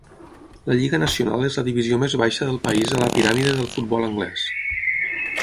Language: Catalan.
La Lliga nacional és la divisió més baixa del país a la piràmide del futbol anglès.